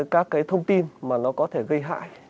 các cái thông tin mà nó có thể gây hại